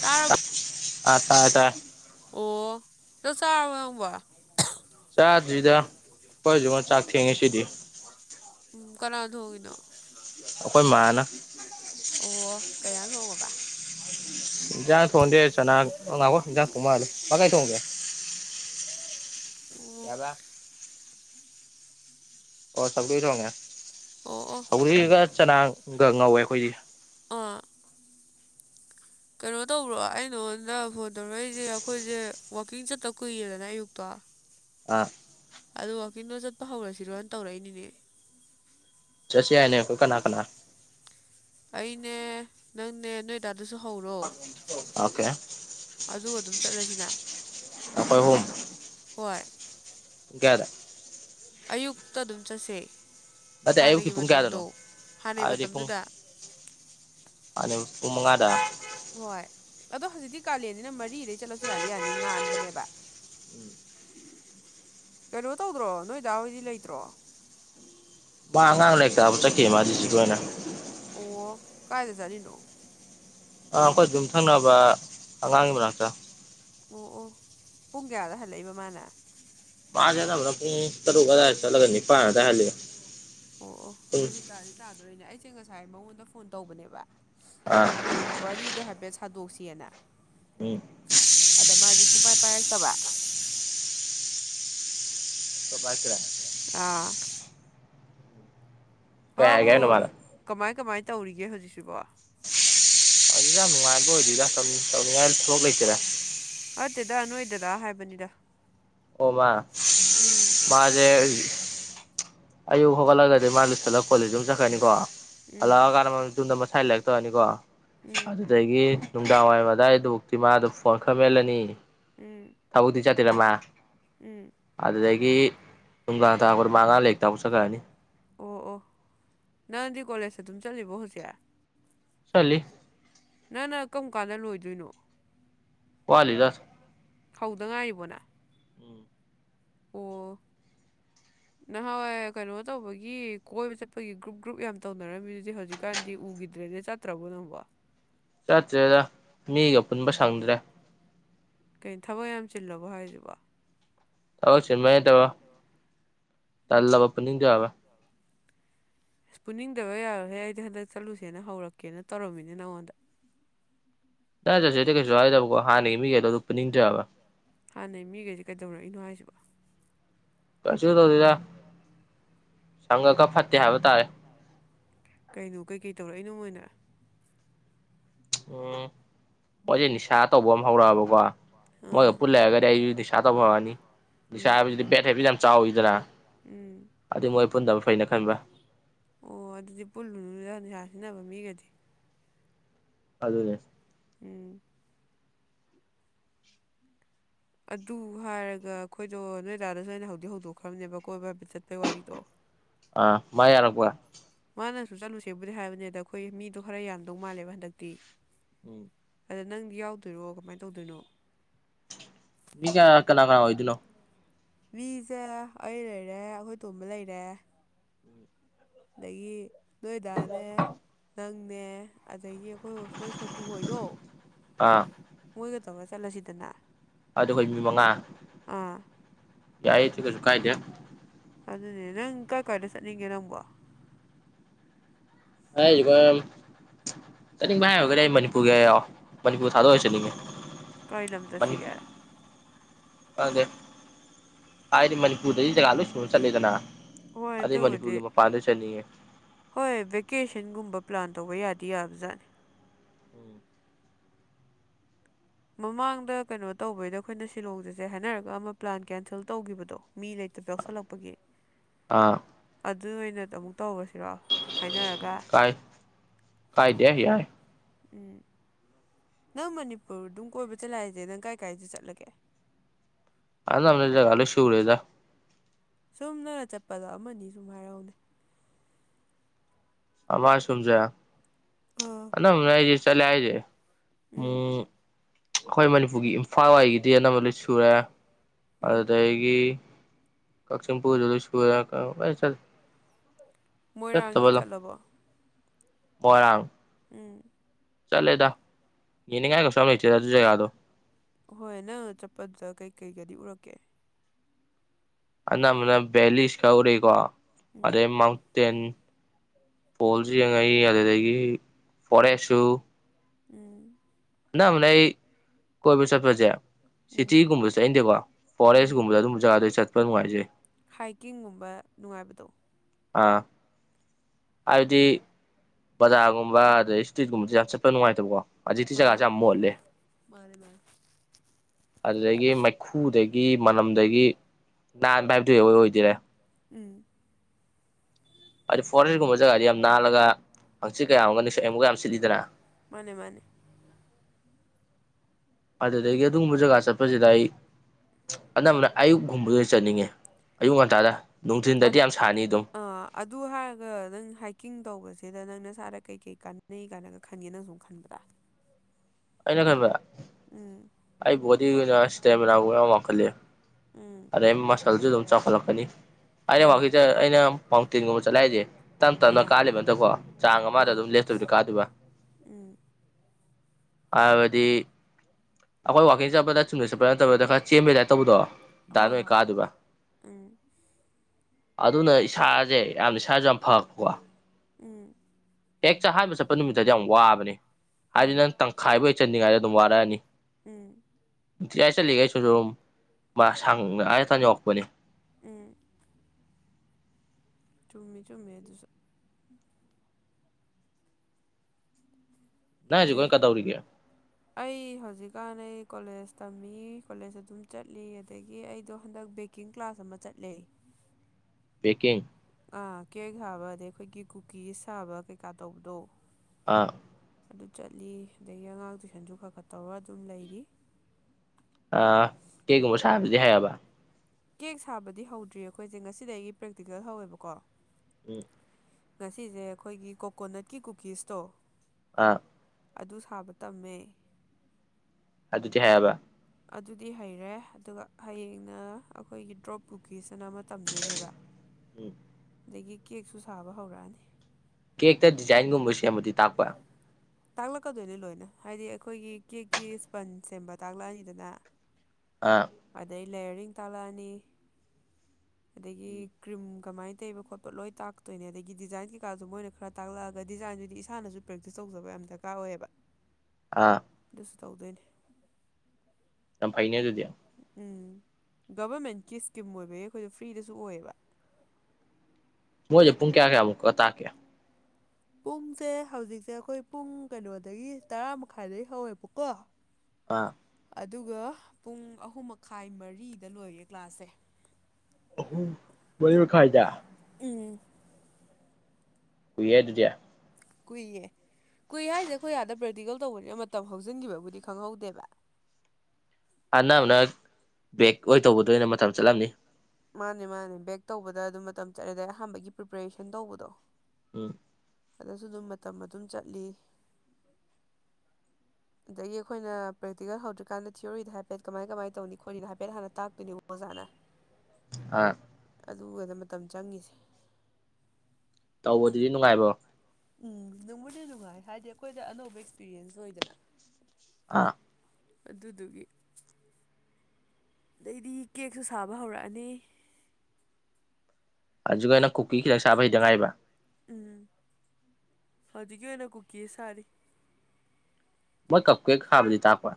ꯇꯔꯕꯣ ꯑꯥ ꯇꯥꯔꯦ ꯇꯥꯔꯦ ꯑꯣ ꯆꯥꯛ ꯆꯥꯔꯕꯣ ꯅꯪꯕꯨ ꯆꯥꯗ꯭ꯔꯤꯗ ꯑꯩꯈꯣꯏꯁꯨ ꯆꯥꯛ ꯊꯦꯡꯉꯦ ꯉꯥꯁꯤꯗꯤ ꯎꯝ ꯀꯅꯥꯟ ꯊꯣꯡꯉꯤꯅꯣ ꯑꯩꯈꯣꯏ ꯃꯥꯅ ꯑꯣ ꯀꯩ ꯏꯟꯁꯥꯡ ꯊꫭꯡꯑꯕ ꯏꯟꯖꯥꯡ ꯊꯣꯡꯗꯦ ꯆꯥꯅꯥ ꯉꯧꯌꯣ ꯈꯤꯇꯪ [unintelligible] ꯎꯝ ꯌꯥꯕ꯭ꯔꯥ ꯑꯣ ꯁꯧꯒꯔꯤ ꯊꫭꯡꯉꯦ ꯑꯣ ꯑꯣ ꯁꯧꯒꯔꯤꯒ ꯆꯅꯥꯒ ꯉꯧꯋꯦ ꯑꯩꯈꯣꯏꯗꯤ ꯑꯥ ꯀꯩꯅꯣ ꯇꯧꯕ꯭ꯔꯣ ꯑꯩ ꯅꯉꯣꯟꯗ ꯐꯣꯟ ꯇꯧꯔꯛꯏꯁꯦ ꯑꯩꯈꯣꯏꯁꯦ ꯋꯥꯛꯀꯤꯡ ꯆꯠꯇ ꯀꯨꯏꯔꯦꯗꯅ ꯑꯌꯨꯛꯇꯣ ꯑꯥ ꯑꯗꯣ ꯋꯥꯀꯤꯡꯗꯣ ꯆꯠꯄ ꯍꯧꯔꯁꯤꯔꯣꯅ ꯇꯧꯔꯛꯏꯅꯤꯅꯦ ꯆꯠꯁꯤ ꯍꯥꯏꯅꯦ ꯑꯩꯈꯣꯏ ꯀꯅꯥ ꯀꯅꯥ ꯑꯩꯅꯦ ꯅꯪꯅꯦ ꯅꯣꯏꯗꯥꯗꯨꯁꯨ ꯍꯧꯔꯣ ꯑꯣꯀꯦ ꯑꯗꯨ ꯑꯗꯨꯝ ꯆꯠꯂꯖꯤꯅ ꯑꯈꯣꯏ ꯑꯍꯨꯝ ꯍꯣꯏ ꯄꯨꯡ ꯀꯌꯥꯗ ꯑꯌꯨꯛꯇ ꯗꯨꯝ ꯆꯠꯁꯦ ꯅꯠꯇꯦ ꯑꯌꯨꯛꯀꯤ ꯍꯥꯟꯅꯒꯤ ꯄꯨꯡ ꯃꯇꯝꯗꯣ ꯍꯥꯟꯅꯒꯤ ꯃꯇꯝꯗꯨꯗ ꯑꯅꯝ ꯄꯨꯡ ꯃꯉꯥꯗ ꯍꯣꯏ ꯑꯗꯣ ꯍꯧꯖꯤꯛꯇꯤ ꯀꯥꯂꯦꯟꯅꯤꯅ ꯃꯔꯤꯗꯩ ꯆꯠꯂꯁꯨ ꯌꯥꯗꯤ ꯌꯥꯅꯤ ꯉꯥꯟꯕꯅꯦꯕ ꯎꯝ ꯀꯩꯅꯣ ꯇꯧꯗ꯭ꯔꯣ ꯅꯣꯏ ꯗꯥ ꯍꯣꯏꯗꯤ ꯂꯩꯇ꯭ꯔꯣ ꯃꯥ ꯑꯉꯥꯡ ꯂꯔꯤꯛ ꯇꯥꯕ ꯆꯠꯈꯤ ꯃꯥ ꯗꯤꯁꯇ꯭ꯔꯤꯛ ꯂꯣꯏꯅ ꯑꯣ ꯀꯥꯏꯗ ꯆꯠꯂꯤꯅꯣ ꯑꯥ ꯑꯩꯈꯣꯏ ꯑꯗꯨꯝ ꯊꯪꯅꯕ ꯑꯉꯥꯡ ꯃꯅꯥꯛꯇ ꯑꯣ ꯑꯣ ꯄꯨꯡ ꯀꯌꯥꯗ ꯍꯜꯂꯛꯏꯕ ꯃꯥꯥꯅ ꯃꯥꯖꯦ ꯑꯅꯝꯕꯅ ꯄꯨꯡ ꯇꯔꯨꯛ ꯑꯗꯥꯏ ꯆꯠꯂꯒ ꯄꯤꯄꯜ ꯑꯗꯥꯏ ꯍꯜꯂꯛꯑꯦ ꯑꯣ ꯑꯣ ꯄꯨꯡ ꯑꯗꯨꯗꯤ ꯇꯥꯗꯤ ꯇꯥꯗꯣꯔꯤꯅꯦ ꯑꯩꯁꯦ ꯉꯁꯥꯏ ꯃꯉꯣꯟꯗ ꯐꯣꯟ ꯇꯧꯕꯅꯦꯕ ꯑ ꯋꯥꯔꯤꯗꯣ ꯍꯥꯏꯐꯦꯠ ꯁꯥꯗꯣꯛꯁꯤꯑꯅ ꯃꯤ ꯑꯗ ꯃꯥꯖꯦ ꯁꯨꯡꯄꯥꯏ ꯄꯥꯏꯔꯛꯇꯕ ꯄꯥꯏꯔꯛꯇꯔꯦ ꯑꯥ ꯀꯩ ꯍꯥꯏꯒꯦ ꯍꯕꯨ ꯍꯥꯏꯅꯣ ꯃꯥꯅ ꯀꯃꯥꯏ ꯀꯃꯥꯏ ꯇꯧꯔꯤꯒꯦ ꯍꯧꯖꯤꯛꯁꯤꯕꯣ [unintelligible] [unintelligible] ꯑꯗꯨ ꯌꯥꯝ ꯅꯨꯡꯉꯥꯏꯕ ꯑꯣꯏꯗꯣꯏꯗ ꯇꯧꯅꯤꯡꯉꯥꯏ ꯊꯕꯛ ꯂꯩꯇꯦꯗ ꯅꯠꯇꯦꯗ ꯅꯣꯏ ꯗꯥ ꯗꯥ ꯍꯥꯏꯕꯅꯤꯗ ꯑꯣ ꯃꯥ ꯎꯝ ꯃꯥꯖꯦ ꯑꯌꯨꯛ ꯍꯧꯒꯠꯂꯒꯗꯤ ꯃꯥ ꯂꯨꯁꯤꯜꯂꯒ ꯀꯣꯂꯦꯖ ꯑꯗꯨꯝ ꯆꯠꯈ꯭ꯔꯅꯤꯀꯣ ꯎꯝ ꯍꯜꯂꯛꯑ ꯀꯥꯟꯗ ꯃꯥ ꯌꯨꯟꯗ ꯃꯁꯥꯏ ꯂꯥꯏꯔꯤꯛ ꯇꯅꯤꯀꯣ ꯎꯝ ꯑꯗꯨꯗꯒꯤ ꯅꯨꯡꯗꯥꯡꯋꯥꯏꯔꯝ ꯑꯗꯥꯏꯗꯨꯕꯨꯛꯇꯤ ꯃꯥ ꯐꯣꯟ ꯈꯔ ꯃꯦꯠꯂꯅꯤ ꯎꯝ ꯊꯕꯛꯇꯤ ꯆꯠꯇꯦꯗ ꯃꯥ ꯎꯝ ꯑꯗꯨꯗꯒꯤ ꯅꯨꯡꯗꯥꯡ ꯇꯥꯔꯛꯄꯗ ꯃꯥ ꯑꯉꯥꯡ ꯂꯥꯕꯡꯔꯤꯛ ꯇꯥꯛꯄ ꯆꯠꯈ꯭ꯔꯑꯅꯤ ꯑꯣ ꯑꯣ ꯅꯪꯗꯤ ꯀꯣꯂꯦꯁ ꯑꯗꯨꯝ ꯆꯠꯂꯤꯕꯣ ꯍꯧꯖꯤꯛ ꯆꯠꯂꯤ ꯅꯪ ꯅ ꯀꯝ ꯀꯥꯟꯗ ꯂꯣꯏꯗꯣꯏꯅꯣ ꯋꯥꯠꯂꯤꯗ [unintelligible] ꯍꯧꯗ ꯉꯥꯏꯔꯤꯕꯣꯅ ꯎꯝ ꯑꫭ ꯅꯍꯥꯋꯥꯏ ꯀꯩꯅꯣ ꯇꯧꯕꯒꯤ ꯀꯣꯏꯕ ꯆꯠꯄꯒꯤ ꯒ꯭ꯔꯨꯞ ꯒ꯭ꯔꯨꯞ ꯌꯥꯝ ꯇꯧꯅꯔꯝꯃꯤꯖꯤ ꯍꯧꯖꯤꯛꯀꯥꯟꯗꯤ ꯎꯒꯤꯗ꯭ꯔꯦꯅꯦ ꯆꯠ ꯇ꯭ꯔꯕꫭ ꯅꯪꯕꫭ ꯆꯠꯇ꯭ꯔꯦꯗ ꯃꯤꯒ ꯄꯨꯟꯕ ꯁꯪꯗ꯭ꯔꯦ ꯀꯩꯅ ꯊꯕꯛ ꯌꯥꯝ ꯆꯤꯜꯂꯕꯣ ꯍꯥꯏꯖꯤꯕꯣ ꯊꯕꯛ ꯆꯤꯟꯕꯩ ꯅꯠꯇꯕ ꯇꯜꯂꯕ ꯄꯨꯅꯤꯡꯗꯦ ꯑꯕ ꯑꯁ ꯄꯨꯟꯅꯤꯡꯗꯕ ꯌꯥꯔꯣꯏꯍꯦ ꯑꯩꯗꯤ ꯍꯟꯗꯛ ꯆꯠꯂꯨꯁꯦꯅ ꯍꯧꯔꯛꯀꯦꯅ ꯇꯧꯔꯝꯃꯤꯅꯤ ꯅꯪꯉꯣꯟꯗ ꯅꯪꯅ ꯆꯠꯁꯦꯗꯤ ꯀꯩꯁꯨ ꯍꯥꯏꯗꯕꯀꯣ ꯍꯥꯟꯅꯒꯤ ꯃꯤ ꯒꯩꯗꯣ ꯑꯗꯨ ꯄꯨꯟꯅꯤꯡꯗ꯭ꯔꯑꯕ ꯍꯥꯟꯅꯩ ꯃꯤꯈꯩꯖꯦ ꯀꯩꯗꯧꯔꯛꯏꯅꯣ ꯍꯥꯏꯖꯤꯕꯣ ꯀꯩꯁꯨ ꯇꯧꯗꯦꯗ ꯁꯪꯒ ꯈꯥ ꯐꯠꯇꯦ ꯍꯥꯏꯕ ꯇꯥꯔꯦ ꯀꯩꯅꯣ ꯀꯩꯀꯩ ꯇꯧꯔꯛꯏꯅꯣ ꯃꯣꯏꯅ ꯎꯝ ꯃꯣꯏꯗꯤ ꯅꯤꯁꯥ [unintelligible] ꯑꯥ [unintelligible] ꯇꯧꯕ ꯑꯃ ꯍꯧꯔꯛꯑꯕꯀꯣ ꯃꯣꯏꯒ ꯄꯨꯜ ꯂꯩꯔꯒꯗꯤ ꯑꯩꯁꯨ ꯅꯤꯁꯥ ꯇꯧꯕ ꯍꯧꯔꯛꯑꯅꯤ ꯅꯤꯁꯥ ꯍꯥꯏꯕꯁꯤꯗꯤ ꯕꯦꯠ ꯍꯦꯕꯤꯠ ꯌꯥꯝ ꯆꯥꯎꯋꯤꯗꯅ ꯎꯝ [unintelligible] ꯎꯝ ꯑꯗꯨꯏ ꯃꯣꯏ ꯄꯨꯟꯗꯕ ꯐꯩꯅ ꯈꯟꯕ ꯑꯣ ꯑꯗꯨꯗꯤ ꯄꯨꯜꯂꯨꯅꯨꯗ ꯅꯤꯁꯥ ꯁꯤꯅꯕ ꯃꯤꯒꯗꯤ ꯑꯗꯨꯅꯦ ꯎꯝ ꯑꯗꯨ ꯍꯥꯏꯔꯒ ꯑꯩꯈꯣꯏꯗꯣ ꯅꯣꯏꯗꯥꯗꯁꯨ ꯑꯩꯅ ꯍꯧꯗꯤꯛ ꯍꯧꯗꯣꯛꯈ꯭ꯔꯕꯅꯦꯕ ꯀꯣꯏꯕ ꯍꯥꯏꯐꯠ ꯆꯠꯄꯒꯤ ꯋꯥꯔꯤꯗꯣ ꯑ ꯃꯥ ꯌꯥꯔꯛꯄꯔꯥ ꯃꯥꯅꯁꯨ ꯆꯠꯂꯨꯁꯦꯕꯨꯗꯤ ꯍꯥꯏꯕꯅꯤꯗ ꯑꯩꯈꯣꯏ ꯃꯤꯗꯣ ꯈꯔ ꯌꯥꯝꯗꯧ ꯃꯥꯜꯂꯦꯕ ꯍꯟꯗꯛꯇꯤ ꯎꯝ ꯑꯗ ꯅꯪꯗꯤ ꯌꯥꯎꯗꯣꯏꯔꯣ ꯀꯃꯥꯏꯅ ꯇꯧꯗꯣꯏꯅꯣ ꯃꯤ ꯀꯌꯥ ꯀꯅꯥ ꯀꯅꯥ ꯑꯣꯏꯗꯣꯏꯅꯣ ꯃꯤꯁꯦ ꯑꯩ ꯂꯩꯔꯦ ꯑꯩꯈꯣꯏ ꯇꯣꯝꯕ ꯂꯩꯔꯦ ꯑꯗꯒꯤ ꯅꯣꯏꯗꯥꯅꯦ ꯅꯪꯅꯦ ꯑꯗꯒꯤ ꯑꯩꯈꯣꯏꯁꯣꯏ ꯁꯣꯠꯇꯨ ꯍꯣꯏꯗꯣ ꯑꯥ ꯃꯣꯏꯒ ꯇꯧꯔ ꯆꯠꯂꯁꯤꯗꯅ ꯑꯗꯨ ꯑꯩꯈꯣꯏ ꯃꯤ ꯃꯉꯥ ꯑꯥ ꯌꯥꯏꯌꯦ ꯀꯩꯁꯨ ꯀꯥꯏꯗꯦ ꯑꯗꯨꯅꯦ ꯅꯪ ꯀꯥꯏ ꯀꯥꯏꯗ ꯆꯠꯅꯤꯡꯒꯦ ꯅꯪꯕꯣ ꯍꯥꯏꯔꯤꯕ ꯆꯥꯅꯤꯡꯕ ꯍꯥꯏꯔꯒꯗꯤ ꯃꯅꯤꯄꯨꯔꯒꯤ [unintelligible] ꯃꯅꯤꯄꯨꯔ ꯊꯥꯗꯣ ꯑꯣꯏ ꯆꯠꯅꯤꯡꯉꯦ ꯀꯩ ꯂꯝ ꯆꯠꯁꯤꯒꯦ ꯑꯗꯨꯗ ꯍꯥꯏꯗꯤ ꯃꯅꯤꯄꯨꯔꯗꯗꯤ ꯖꯒꯥ ꯂꯣꯏ ꯁꯨꯅ ꯆꯠꯂꯦꯗꯅ ꯍꯣꯏ ꯑꯩꯗꯤ ꯑꯗꯨꯕꯨꯗꯤ ꯃꯅꯤꯄꯨꯔꯒꯤ ꯃꯄꯥꯟꯗ ꯆꯠꯅꯤꯡꯉꯦ ꯍꯣꯏ ꯚꯦꯀꯦꯁꯟꯒꯨꯝꯕ ꯄ꯭ꯂꯥꯟ ꯇꯧꯕ ꯌꯥꯗꯤ ꯌꯥꯕ ꯖꯥꯠꯅꯤ ꯃꯃꯥꯡꯗ ꯀꯩꯅꯣ ꯇꯧꯕꯩꯗ ꯑꯩꯈꯣꯏꯅ ꯁꯤꯂꯣꯡ ꯆꯠꯁꯦ ꯍꯥꯏꯅꯔꯒ ꯑꯃ ꯄ꯭ꯂꯥꯟ ꯀꯦꯟꯁꯦꯜ ꯇꯧꯒꯤꯕꯗꯣ ꯃꯤ ꯂꯩꯇꯕ ꯌꯥꯎꯁꯜꯂꯛꯄꯒꯤ ꯑꯥ ꯑꯗꯨ ꯑꯣꯏꯅ ꯑꯥꯃꯨꯛ ꯇꯧꯔꯁꯤꯔꯣ ꯍꯥꯏꯅꯔꯒ ꯀꯥꯏ ꯀꯥꯏꯗꯦ ꯌꯥꯏ ꯎꯝ ꯅꯪ ꯃꯅꯤꯄꯨꯔꯗꯨꯝ ꯀꯣꯏꯕ ꯆꯠꯂꯦ ꯍꯥꯏꯁꯦ ꯅꯪ ꯀꯥꯏ ꯀꯥꯏꯗ ꯆꯠꯂꯒꯦ ꯑꯅꯝꯕꯅ ꯖꯒ ꯂꯣꯏ ꯁꯨꯔꯦꯗ ꯁꯨꯝꯅ ꯆꯠꯄꯗ ꯑꯃꯅꯤ ꯁꯨꯝ ꯍꯥꯏꯔꯛꯎꯅꯦ ꯑꯃ ꯁꯨꯝ ꯑꯥ ꯑꯅꯝꯕꯅ ꯑꯩꯖꯦ ꯆꯠꯂꯦ ꯍꯥꯏꯁꯦ ꯎꯝ ꯑꯩꯈꯣꯏ ꯃꯅꯤꯄꯨꯔꯒꯤ ꯏꯝꯐꯥꯜꯋꯥꯏꯒꯤꯗꯤ ꯑꯅꯝꯕ ꯂꯣꯏ ꯁꯨꯔꯦ ꯎꯝ ꯑꯗꯨꯗꯒꯤ ꯀꯛꯆꯤꯡ ꯄꯨꯔꯗ ꯂꯣꯏ ꯁꯨꯔꯦ ꯃꯣꯏꯔꯥꯡꯗꯤ ꯆꯠꯇꯕ ꯂꯝ ꯆꯠꯂꯕꯣ ꯃꯣꯏꯔꯥꯡ ꯎꯝ ꯆꯠꯂꯦꯗ ꯌꯦꯅꯤꯡꯉꯥꯏ ꯀꯩꯁꯨꯌꯝ ꯂꯩꯇꯗꯦ ꯑꯗꯨ ꯖꯒꯥꯗꯣ ꯍꯣꯏ ꯅꯪ ꯆꯠꯄꯗꯨꯗ ꯀꯩꯀꯩꯒꯗꯤ ꯎꯔꯛꯀꯦ ꯑꯅꯝꯕꯅ ꯚꯦꯂꯤꯁ ꯈꯔ ꯎꯔꯛꯏꯀꯣ ꯎꯝ ꯑꯗꯩ ꯇꯦꯟ ꯐꯣꯜꯁꯨ ꯌꯦꯡꯉꯛꯏ ꯑꯗꯨꯗꯒꯤ ꯐꯣꯔꯦꯁꯁꯨ ꯎꯝ ꯑꯅꯝꯕꯅꯥ ꯑꯩ ꯀꯣꯏꯕꯨ ꯆꯠꯄꯁꯦ ꯎꯝ ꯁꯤꯇꯤꯒꯨꯝꯕ ꯆꯠꯅꯗꯦꯀꯣ ꯎꯝ ꯐꯣꯔꯦꯁꯀꯨꯝꯕꯗ ꯑꯗꯨꯝ ꯖꯒꯥꯗ ꯆꯠꯄ ꯅꯨꯡꯉꯥꯏꯖꯩ ꯍꯥꯏꯀꯤꯡꯒꯨꯝꯕ ꯅꯨꯡꯉꯥꯏꯕꯗꯣ ꯑꯥ ꯍꯥꯏꯕꯗꯤ ꯕꯖꯥꯔꯒꯨꯝꯕ ꯑꯗꯩ ꯏꯁꯇ꯭ꯔꯤꯠꯀꯨꯝꯕꯗꯤ ꯌꯥꯝ ꯆꯠꯄ ꯅꯨꯡꯉꯥꯏꯇꯕꯀꯣ ꯍꯧꯖꯤꯛꯇꯤ ꯑꯥ ꯖꯒꯥꯁꯦ ꯌꯥꯝ ꯃꯣꯠꯂꯦ ꯃꯥꯅꯦ ꯃꯥꯅꯦ ꯑꯗꯨꯗꯒꯤ ꯈꯨꯨꯗꯒꯤ ꯃꯅꯝꯗꯒꯤ ꯅꯥꯟꯕ ꯍꯥꯏꯕꯗꯨ ꯏꯑꯣꯏ ꯑꯣꯏꯗꯦꯔꯦ ꯎꯝ ꯍꯥꯏꯗꯤ ꯐꯣꯔꯦꯁꯀꯨꯝꯕ ꯖꯒꯥꯗꯤ ꯌꯥꯝ ꯅꯥꯜꯂꯒ ꯍꯪꯆꯤꯠ ꯀꯌꯥ ꯅꯨꯡꯁꯤꯠ ꯑꯏꯪꯕꯒ ꯌꯥꯝ ꯁꯤꯠꯂꯤꯗꯅ ꯃꯥꯅꯦ ꯃꯥꯅꯦ ꯑꯗꯨꯗꯒꯤ ꯑꯗꯨꯒꯨꯝꯕ ꯖꯒꯥ ꯆꯠꯄꯁꯤꯗ ꯑꯩ ꯑꯅꯝꯕꯅ ꯑꯌꯨꯛꯒꯨꯝꯕꯗꯨꯗ ꯆꯠꯅꯤꯡꯉꯤ ꯑꯌꯨꯛ ꯉꯟꯇꯥꯗ ꯅꯨꯡꯊꯤꯟꯗꯗꯤ [unintelligible] ꯌꯥꯝ ꯁꯥꯅꯤ ꯑꯗꯨꯝ ꯑꯗꯨ ꯍꯥꯏꯔꯒ ꯅꯪ ꯍꯥꯏꯀꯤꯡ ꯇꯧꯕꯁꯤꯗ ꯅꯪ ꯅꯁꯥꯗ ꯀꯩꯀꯩ ꯀꯥꯟꯅꯩ ꯀꯥꯏꯅꯒ ꯈꯟꯒꯦ ꯅꯪ ꯁꯨꯝ ꯈꯟꯕꯗ ꯑꯩꯅ ꯈꯟꯕꯗ ꯎꯝ ꯑꯩ ꯕꯣꯗꯤ ꯑꯣꯏꯅ ꯁꯇꯦꯃꯤꯅꯥꯕꯨ ꯌꯥꯝ ꯋꯥꯡꯈꯠꯂꯤ ꯎꯝ ꯑꯗꯩ ꯃꯁꯜꯁꯨ ꯑꯗꯨꯝ ꯆꯥꯎꯈꯠꯂꯛ ꯀꯅꯤ ꯑꯩꯅ ꯑꯥ ꯋꯥꯀꯤꯡ ꯆꯠꯂꯦ ꯑꯩꯅ ꯃꯥꯎꯟꯇꯦꯟꯒꯨꯝꯕ ꯆꯠꯂꯦ ꯍꯥꯏꯁꯦ ꯇꯞ ꯇꯞꯅ ꯑꯥ ꯀꯥ ꯂꯩꯕ ꯅꯠꯇꯦꯀꯣ ꯆꯥꯡ ꯑꯃꯗ ꯑꯥ ꯑꯗꯨꯝ ꯂꯦꯞꯇꯕꯤꯗ ꯀꯥꯗꯣꯏꯕ ꯎꯝ [unintelligible] ꯑꯩꯈꯣꯏ ꯋꯥꯀꯤꯡ ꯆꯠꯄꯗ ꯆꯨꯝꯅ ꯆꯠꯄ ꯅꯠꯇꯕꯗ ꯈꯔ ꯆꯦꯟꯕꯩ ꯇꯥꯏꯞ ꯇꯧꯕꯗꯣ ꯗꯥꯏꯅ ꯍꯣꯏ ꯑꫭꯏꯅ ꯍꯣꯏ ꯀꯥꯗꯨꯕ ꯎꯝ ꯑꯗꯨꯅ ꯏꯁꯥꯁꯦ ꯌꯥꯝ ꯏꯁꯥꯁꯨ ꯌꯥꯝ ꯐꯕꯀꯣ ꯎꯝ ꯍꯦꯛ ꯆꯍꯥꯟꯕ ꯆꯠꯄ ꯅꯨꯃꯤꯠꯇꯗꯤ ꯌꯥꯝ ꯋꯥꯕꯅꯦ ꯍꯥꯏꯗꯤ ꯎꯝ ꯅꯪ ꯇꯪꯈꯥꯏꯕꯧ ꯍꯥꯦꯛ ꯆꯟꯗ꯭ꯔꯤꯉꯩꯗ ꯑꯗꯨꯝ ꯋꯥꯔꯛꯑꯅꯤ ꯎꯝ ꯅꯨꯡꯇꯤꯖꯥꯏ ꯆꯠꯂꯤꯒꯩ ꯁꯨꯝ ꯁꯨꯝ ꯃꯥ ꯁꯡ ꯑꯥ ꯇꯥꯟ ꯌꯧꯛꯄꯅꯤ ꯎꯝ ꯆꯨꯝꯃꯤ ꯆꯨꯝꯃꯤ ꯑꯗꯨꯁꯨ ꯅꯪ ꯍꯧꯖꯤꯛ ꯑꯗꯩ ꯑꯣꯏꯅ ꯀꯗꯧꯔꯤꯒꯦ ꯑꯩ ꯍꯧꯖꯤꯛꯀꯥꯟ ꯑꯩ ꯀꯣꯂꯦꯖ ꯇꯝꯃꯤ ꯀꯣꯂꯦꯖ ꯑꯗꯨꯝ ꯆꯠꯂꯤ ꯑꯗꯒꯤ ꯑꯩꯗꯣ ꯍꯟꯗꯛ ꯕꯦꯛ ꯀꯤꯡ ꯀ꯭ꯂꯥꯁ ꯑꯃ ꯆꯠꯂꯦ ꯕꯦꯀꯤꯡ ꯑꯥ ꯀꯦꯛ ꯁꯥꯕ ꯑꯗꯩ ꯑꯩꯈꯣꯏꯒꯤ ꯀꯨꯀꯤꯁ ꯁꯥꯕ ꯀꯩꯀꯥ ꯇꯧꯕꯗꯣ ꯑꯥ ꯑꯗꯨ ꯆꯠꯂꯤ ꯑꯗꯒꯤ ꯑꯉꯥꯡ ꯇꯨꯏꯁꯟꯁꯨ ꯈꯔ ꯈꯔ ꯇꯧꯔ ꯑꯗꯨꯝ ꯂꯩꯔꯤ ꯑꯥ ꯀꯦꯛꯒꯨꯝꯕ ꯁꯥꯕꯗꯤ ꯍꯩꯔꯕ ꯀꯦꯛ ꯁꯥꯕꯗꯤ ꯍꯧꯗ꯭ꯔꯤ ꯑꯈꯣꯏꯁꯦ ꯉꯁꯤ ꯗꯒꯤ ꯄ꯭ꯔꯦꯛꯇꯤꯀꯦꯜ ꯍꯧꯋꯦꯕꯀꯣ ꯎꯝ ꯉꯁꯤꯁꯦ ꯈꯣꯏꯒꯤ ꯀꯣꯀꯣꯅꯠꯀꯤ ꯀꯨꯀꯤꯁꯇꯣ ꯑꯥ ꯑꯗꯨ ꯁꯥꯕ ꯇꯝꯃꯦ ꯑꯗꯨꯗꯤ ꯍꯩꯔꯕ ꯑꯗꯨꯗꯤ ꯍꯩꯔꯦ ꯑꯗꯨꯒ ꯍꯌꯦꯡꯅ ꯑꯩꯈꯣꯏꯒꯤ ꯗ꯭ꯔꯣꯞ ꯀꯨꯀꯤꯁ ꯑꯅ ꯑꯃ ꯇꯝꯗꯣꯏꯅꯦꯕ ꯎꯝ ꯑꯗꯒꯤ ꯀꯦꯛꯁꯨ ꯁꯥꯕ ꯍꯧꯔꯛꯑꯅꯤ ꯀꯦꯛꯇ ꯗꯤꯖꯥꯏꯟꯒꯨꯝꯕ ꯁꯦꯝꯕꯗꯤ ꯇꯥꯛꯄꯔꯥ ꯇꯥꯛꯂꯛꯀꯗꯣꯏꯅꯤ ꯂꯣꯏꯅ ꯍꯥꯏꯗꯤ ꯑꯩꯈꯣꯏꯒꯤ ꯀꯦꯛꯀꯤ ꯁꯄꯟꯁ ꯁꯦꯝꯕ ꯇꯥꯛꯂꯛꯑꯅꯤꯗꯅ ꯑꯥ ꯑꯗꯩ ꯂꯦꯌꯔꯤꯡ ꯇꯥꯂꯛꯑꯅꯤ ꯑꯗꯒꯤ ꯀ꯭ꯔꯤꯝ ꯀꯃꯥꯏꯅ ꯇꯩꯕ ꯈꯣꯠꯄ ꯂꯣꯏ ꯇꯥꯛꯇꯣꯏꯅꯦ ꯑꯗꯒꯤ ꯗꯤꯖꯥꯏꯟ ꯀꯩꯀꯥꯁꯨ ꯃꯣꯏꯅ ꯈꯔ ꯇꯥꯛꯂꯛꯑꯒ ꯗꯤꯖꯥꯏꯟꯗꯨꯗꯤ ꯏꯁꯥꯅꯁꯨ ꯄ꯭ꯔꯦꯛꯇꯤꯁ ꯇꯧꯖ ꯕ ꯌꯥꯝ ꯗ꯭ꯔꯀꯥꯔ ꯑꯣꯏꯌꯦꯕ ꯑꯥ ꯗꯨꯁꯨ ꯇꯧꯗꯣꯏꯅꯤ ꯌꯥꯝ ꯐꯩꯅꯦ ꯑꯗꯨꯗꯤ ꯎꯝ ꯒꯚꯔꯃꯦꯟꯀꯤ ꯁ꯭ꯀꯤꯝ ꯑꯣꯏꯕꯒꯤ ꯈꯣꯏꯗꯣ ꯐ꯭ꯔꯤꯗꯁꯨ ꯑꯣꯏꯌꯦꯕ ꯃꯣꯏꯁꯦ ꯄꯨꯡ ꯀꯌꯥ ꯀꯌꯥꯃꯨꯛꯀ ꯇꯥꯛꯀꯦ ꯄꯨꯡꯁꯦ ꯍꯧꯖꯤꯛꯁꯦ ꯑꯈꯣꯏ ꯄꯨꯡ ꯀꯩꯅꯣꯗꯒꯤ ꯇꯔꯥ ꯃꯈꯥꯏꯗꯒꯤ ꯍꯧꯋꯦꯕꯀꯣ ꯑ ꯑꯗꯨꯒ ꯄꯨꯡ ꯑꯍꯨꯝ ꯃꯈꯥꯏ ꯃꯔꯤꯗ ꯂꯣꯏꯌꯦ ꯀ꯭ꯂꯥꯁꯁꯦ ꯑꯍꯨꯝ ꯃꯔꯤ ꯃꯈꯥꯏꯗ ꯎꯝ ꯀꯨꯏꯍꯦ ꯑꯗꯨꯗꯤ ꯀꯨꯏꯌꯦ ꯀꯨꯏ ꯍꯥꯏꯁꯦ ꯈꯣꯏ ꯑꯥꯗ ꯄ꯭ꯔꯦꯛꯇꯤꯀꯦꯜ ꯇꯧꯕꯅꯤꯅ ꯃꯇꯝ ꯍꯧꯖꯤꯟꯈꯤꯕꯕꯨꯗꯤ ꯈꯪꯍꯧꯗꯦꯕ ꯑꯅꯝꯕꯅ ꯕꯦꯛ ꯑꯣꯏ ꯇꯧꯕꯗ ꯑꯣꯏꯅ ꯃꯇꯝ ꯆꯠꯂꯝꯅꯤ ꯃꯥꯅꯦ ꯃꯥꯅꯦ ꯕꯦꯛ ꯇꯧꯕꯗ ꯑꯗꯨꯝ ꯃꯇꯝ ꯆꯠꯂꯦꯗ ꯑꯍꯥꯟꯕꯒꯤ ꯄ꯭ꯔꯤꯄꯦꯔꯦꯁꯟ ꯇꯧꯕꯗꯣ ꯎꯝ ꯑꯗꯨꯁꯨ ꯑꯗꯨꯝ ꯃꯇꯝ ꯑꯗꯨꯝ ꯆꯠꯂꯤ ꯑꯗꯥꯒꯤ ꯑꯩꯈꯣꯏꯅ ꯄ꯭ꯔꯦꯛꯇꯤꯀꯦꯜ ꯍꯧꯗ꯭ꯔꯤꯀꯥꯟꯗ ꯊꯤꯌꯣꯔꯤꯗꯣ ꯍꯥꯏꯐꯦꯠ ꯀꯃꯥꯏ ꯀꯃꯥꯏ ꯇꯧꯅꯤ ꯈꯣꯠꯅꯤꯗꯣ ꯍꯥꯏꯐꯦꯠ ꯍꯥꯟꯅ ꯇꯥꯛꯇꯣꯏꯅꯦꯕ ꯑꯣꯖꯥꯅ [inaudible] ꯑꯥ ꯑꯗꯨꯒꯗ ꯃꯇꯝ ꯆꯪꯉꯤꯁꯦ ꯇꯧꯕꯗꯨꯗꯤ ꯅꯨꯡꯉꯥꯏꯕ꯭ꯔꯣ ꯎꯝ ꯅꯨꯡꯕꯨꯗꯤ ꯅꯨꯡꯉꯥꯏ ꯍꯥꯏꯗꯤ ꯑꯩꯈꯣꯏꯗ ꯑꯅꯧꯕ ꯑꯦꯛꯁꯄꯤꯔꯤꯌꯦꯟꯁ ꯑꯣꯏꯗꯅ ꯑꯥ ꯑꯗꯨꯗꯨꯒꯤ ꯑꯗꯩꯗꯤ ꯀꯦꯛꯁꯨ ꯁꯥꯕ ꯍꯧꯔꯛꯑꯅꯤ ꯑꯟꯖꯨꯒ ꯅꯪ ꯀꯨꯀꯤ ꯈꯤꯇꯪ ꯁꯥꯕ ꯍꯩꯇꯥ ꯉꯥꯏꯕ ꯎꯝ ꯍꯧꯖꯤꯛꯀꯤ ꯑꯣꯏꯅ ꯀꯨꯀꯤꯁ ꯁꯥꯔꯤ ꯃꯣꯏ ꯀꯞ ꯀꯦꯛ ꯁꯥꯕꯗꯤ ꯇꯥꯛꯄ꯭ꯔꯥ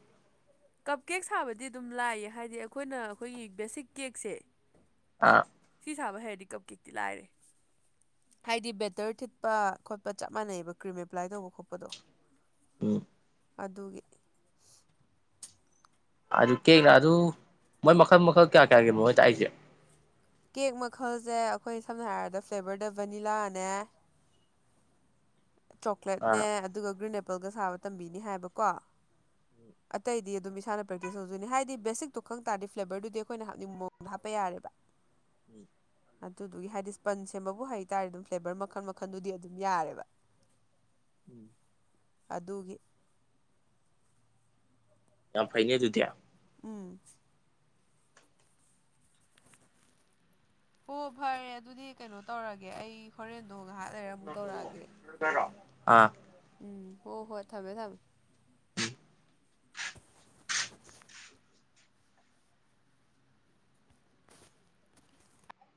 ꯀꯞ ꯀꯦꯛ ꯁꯥꯕꯗꯤ ꯑꯗꯨꯝ ꯂꯥꯏꯌꯦ ꯍꯥꯏꯗꯤ ꯑꯩꯈꯣꯏꯅ ꯑꯩꯈꯣꯏꯒꯤ ꯕꯦꯁꯤꯛ ꯀꯦꯛꯁꯦ ꯑꯥ ꯁꯤ ꯁꯥꯕ ꯍꯩꯔꯗꯤ ꯀꯞ ꯀꯦꯛꯇꯤ ꯂꯥꯏꯔꯦ ꯍꯥꯏꯗꯤ ꯕꯦꯇꯔ ꯊꯤꯠꯄ ꯈꯣꯠꯄ ꯆꯞ ꯃꯥꯟꯅꯩꯕ ꯀ꯭ꯔꯤꯝ ꯑꯦꯄ꯭ꯂꯥꯏ ꯇꯧꯕ ꯈꯣꯠꯄꯗꯣ ꯎꯝ ꯑꯗꯨꯒꯤ ꯑꯗꯨ ꯀꯦꯛꯅ ꯑꯗꯨ ꯃꯣꯏ ꯃꯈꯜ ꯃꯈꯜ ꯀꯌꯥ ꯀꯌꯥꯒꯤ ꯃꯣꯏ ꯇꯥꯛꯏꯁꯦ ꯀꯦꯛ ꯃꯈꯜꯖꯦ ꯑꯩꯈꯣꯏ ꯁꯝꯅ ꯍꯥꯏꯔꯕꯗ ꯐ꯭ꯂꯦꯕꯔꯗ ꯚꯅꯤꯂꯥꯅꯦ ꯆꯣꯀ꯭ꯂꯦꯠꯅꯦ ꯑꯥ ꯑꯗꯨꯒ ꯒ꯭ꯔꯤꯟ ꯑꯦꯄꯜꯒ ꯁꯥꯕ ꯇꯝꯕꯤꯅꯤ ꯍꯥꯏꯕꯀꯣ [inaudible] ꯑꯇꯩꯗꯤ ꯑꯗꯨꯝ ꯏꯁꯥꯅ ꯄ꯭ꯔꯦꯛꯇꯤꯁ ꯇꯧꯗꯣꯏꯅꯦ ꯍꯥꯏꯗꯤ ꯕꯦꯁꯤꯛꯇꯣ ꯈꯪ ꯇꯥꯔꯗꯤ ꯐ꯭ꯂꯦꯕꯔꯗꯨꯗꯤ ꯑꯩꯈꯣꯏꯅ ꯍꯥꯞꯅꯤꯡꯕ ꯃꯑꯣꯡꯗ ꯍꯥꯞꯄ ꯌꯥꯔꯦꯕ [inaudible] ꯑꯗꯨꯗꯨꯒꯤ ꯍꯥꯏꯗꯤ ꯁ꯭ꯄꯟ ꯁꯦꯝꯕꯕꯨ ꯍꯩꯇꯥꯔꯗꯤ ꯑꯗꯨꯝ ꯐ꯭ꯂꯦꯕꯔ ꯃꯈꯜ ꯃꯈꯜꯗꯨꯗꯤ ꯑꯗꯨꯝ ꯌꯥꯔꯦꯕ [inaudible] ꯑꯗꯨꯒꯤ ꯌꯥꯝ ꯐꯩꯅꯦ ꯑꯗꯨꯗꯤ ꯎꯝ ꯍꯣ ꯐꯔꯦ ꯑꯗꯨꯗꯤ ꯀꯩꯅꯣ ꯇꯧꯔꯒꯦ ꯑꯩ ꯍꯣꯔꯦꯟꯗꯣ ꯉꯥꯏꯍꯥꯛ ꯂꯩꯔ ꯑꯃꯨꯛ ꯇꯧꯔꯛꯑꯒꯦ ꯑꯥ ꯎꯝ ꯍꯣ ꯍꯣꯏ ꯊꯝꯃꯦ ꯊꯝꯃꯦ